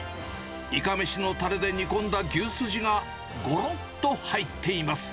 いかめしのたれで煮込んだ牛すじが、ごろっと入っています。